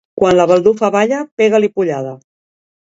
Quan la baldufa balla, pega-li pollada.